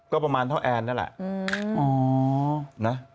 ก็ประมาณเท่าแอนนั่นแหละ